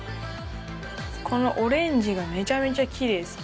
このオレンジがめちゃめちゃキレイです。